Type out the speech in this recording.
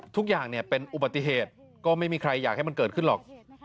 ทุกอย่างเป็นอุบัติเหตุก็ไม่มีใครอยากให้มันเกิดขึ้นหรอก